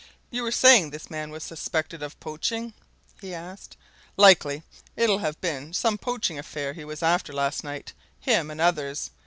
"You were saying this man was suspected of poaching?" he asked. "Likely it'll have been some poaching affair he was after last night him and others.